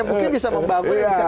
mungkin bisa membangun bisa konsumsi